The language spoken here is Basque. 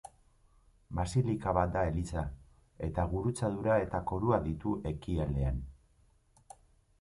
Basilika bat da eliza, eta gurutzadura eta korua ditu ekialdean.